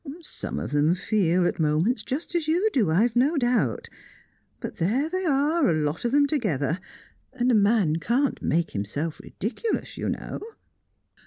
Some of them feel, at moments, just as you do, I've no doubt; but there they are, a lot of them together, and a man can't make himself ridiculous, you know."